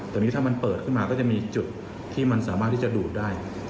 แต่นี่ถ้ามันเปิดขึ้นมาก็จะมีจุดที่มันสามารถที่จะดูดได้